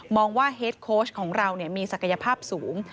ว่าเฮดโค้ชของเรามีศักยภาพสูง